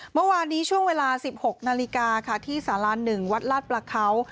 เมื่อวานนี้ช่วงเวลา๑๖นาฬิกาค่ะที่สารา๑วัดลาดประเขา